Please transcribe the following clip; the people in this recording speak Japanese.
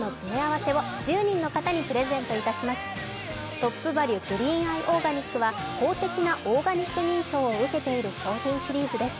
トップバリュグリーンアイオーガニックは公的なオーガニック認証を受けている商品シリーズです。